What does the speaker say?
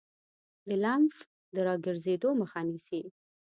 د لمف د راګرځیدو مخه نیسي.